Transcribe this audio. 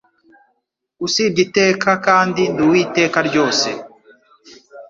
usibye Iteka kandi ndi uw'iteka ryose